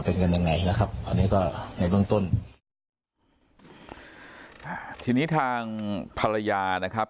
เป็นกันยังไงนะครับอันนี้ก็ในเบื้องต้นอ่าทีนี้ทางภรรยานะครับ